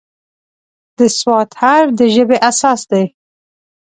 د "ص" حرف د ژبې اساس دی.